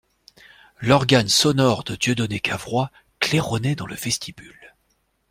L'organe sonore de Dieudonné Cavrois claironnait dans le vestibule.